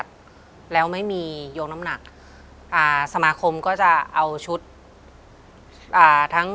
เดี๋ยวเอาทั้ง